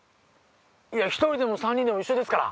１人でも３人でも一緒ですから。